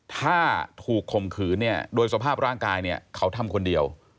ถ้าถูกคมขืนโดยสภาพร่างกายเขาทำคนเดียว